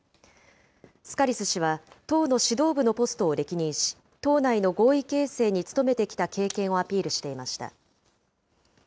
スカリス氏は党の指導部のポストを歴任し、党内の合意形成につとめてきた経験をアピールしていました。